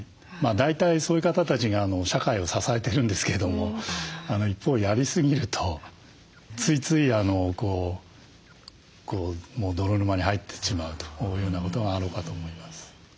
大体そういう方たちが社会を支えてるんですけれども一方やりすぎるとついつい泥沼に入ってしまうというようなことがあろうかと思います。